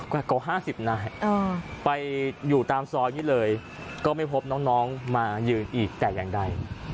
กว่า๕๐นายไปอยู่ตามซอยนี้เลยก็ไม่พบน้องมายืนอีกแต่อย่างใด